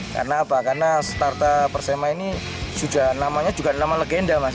karena apa karena starta persema ini juga namanya legenda